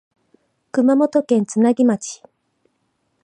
熊本県津奈木町